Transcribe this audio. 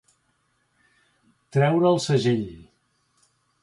Treure el segell.